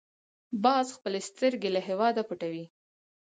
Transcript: باز خپلې سترګې له هېواده پټوي